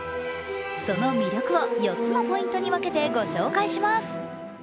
その魅力を４つのポイントに分けてご紹介します。